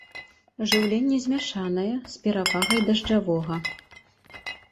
Жыўленне змяшанае, з перавагай дажджавога.